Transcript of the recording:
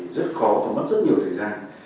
rất khó và mất rất nhiều thời gian